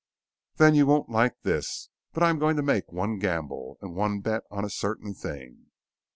"Then you won't like this. But I'm going to make one gamble, and one bet on a certain thing."